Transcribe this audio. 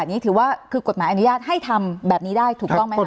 อันนี้ถือว่าคือกฎหมายอนุญาตให้ทำแบบนี้ได้ถูกต้องไหมคะ